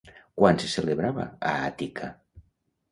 Quan se celebrava a Àtica?